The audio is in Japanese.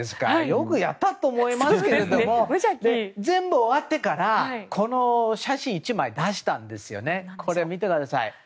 よくやったと思いますけれども全部終わってからこの写真１枚出したんですよね。